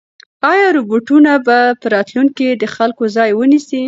ایا روبوټونه به په راتلونکي کې د خلکو ځای ونیسي؟